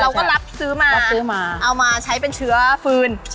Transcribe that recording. เราก็รับซื้อมาเอามาใช้เป็นเชื้อฟืน